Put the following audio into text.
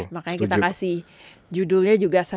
makanya kita kasih judulnya juga sama